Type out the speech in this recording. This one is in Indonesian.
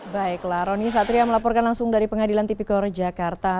baiklah roni satria melaporkan langsung dari pengadilan tipikor jakarta